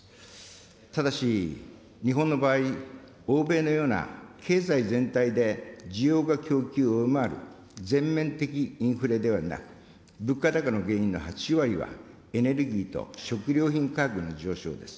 ただし、日本の場合、欧米のような経済全体で需要が供給を上回る全面的インフレではなく、物価高の原因の８割は、エネルギーと食料品価格の上昇です。